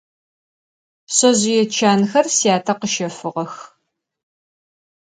Şsezjıê çanxer syate khışefığex.